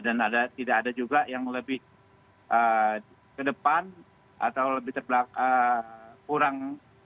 dan tidak ada juga yang lebih ke depan atau lebih terbelakang